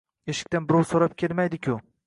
Eshikdan birov so‘rab kelmaydi-ku!